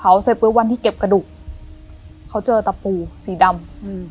เขาเสร็จปุ๊บวันที่เก็บกระดูกเขาเจอตะปูสีดำอืม